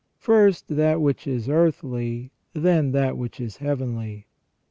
" First that which is earthly, then that which is heavenly."